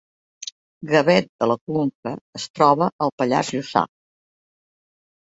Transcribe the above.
Gavet de la Conca es troba al Pallars Jussà